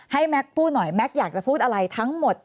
แม็กซ์พูดหน่อยแม็กซ์อยากจะพูดอะไรทั้งหมด